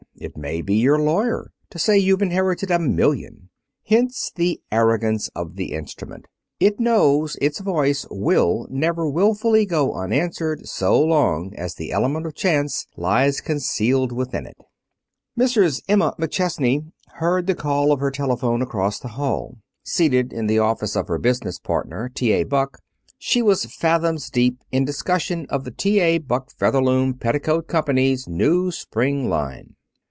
It may be your lawyer to say you've inherited a million. Hence the arrogance of the instrument. It knows its voice will never wilfully go unanswered so long as the element of chance lies concealed within it. Mrs. Emma McChesney heard the call of her telephone across the hall. Seated in the office of her business partner, T.A. Buck, she was fathoms deep in discussion of the T.A. Buck Featherloom Petticoat Company's new spring line.